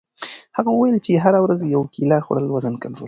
هغه وویل چې هره ورځ یوه کیله خوړل وزن کنټرولوي.